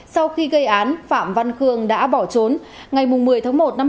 sau khi gây án phạm văn khương đã bỏ trốn